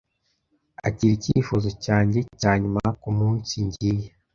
akira icyifuzo cyanjye cyanyuma kumunsi ngiye